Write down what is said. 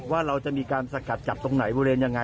ว่าเราจะมีการสกัดจับตรงไหนบริเวณยังไง